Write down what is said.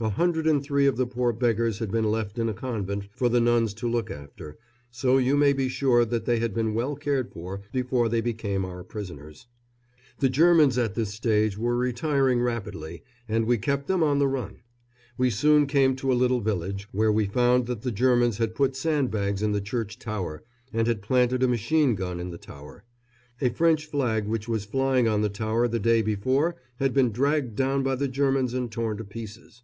A hundred and three of the poor beggars had been left in a convent for the nuns to look after, so you may be sure that they had been well cared for before they became our prisoners. The Germans at this stage were retiring rapidly, and we kept them on the run. We soon came to a little village, where we found that the Germans had put sandbags in the church tower and had planted a machine gun in the tower. A French flag which was flying on the tower the day before had been dragged down by the Germans and torn to pieces.